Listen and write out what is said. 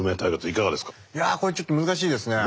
いやあこれちょっと難しいですね。